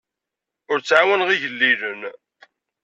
Ur ttɛawaneɣ igellilen.